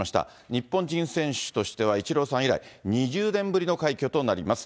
日本人選手としてはイチローさん以来、２０年ぶりの快挙となります。